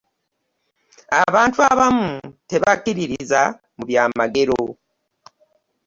Abantu abamu tebakiririza mu byamagero.